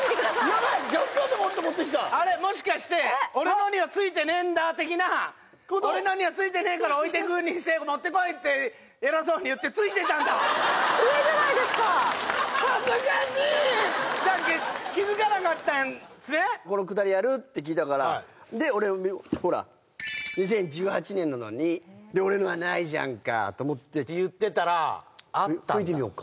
ヤバい逆かと思って持ってきたあれもしかして俺のには付いてねえんだ的なことで何よ付いねえから置いてくにして持ってこいって偉そうに言って付いてたんだ笛じゃないですか気づかなかったんすねこのくだりやるって聞いたからで俺ほら２０１８年なのにで俺のはないじゃんかと思って言ってたらあったんだ吹いてみよっか？